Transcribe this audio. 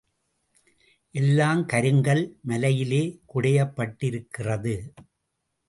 எல்லாம் கருங்கல் மலையிலே குடையப்பட்டிருக்கிறது.